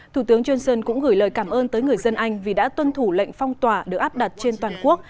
thủ tướng johnson cũng gửi lời cảm ơn tới người dân anh vì đã tuân thủ lệnh phong tỏa được áp đặt trên toàn quốc